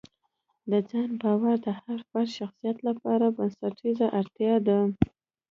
د ځان باور د هر فرد شخصیت لپاره بنسټیزه اړتیا ده.